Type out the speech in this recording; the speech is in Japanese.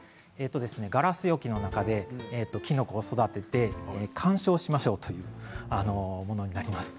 ガラス容器の中できのこを育てて鑑賞しましょうというものになります。